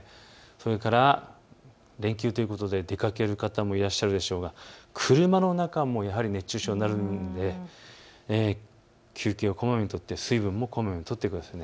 それから連休ということで出かける方もいらっしゃるでしょうが車の中もやはり熱中症になるので休憩をこまめに取って水分もこまめにとってください。